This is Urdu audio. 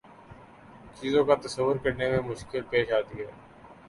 چیزوں کا تصور کرنے میں مشکل پیش آتی ہے